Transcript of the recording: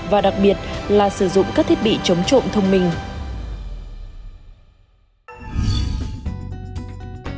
và đặc biệt là sử dụng các thiết bị chống trộm thông minh